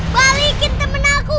balikin temen aku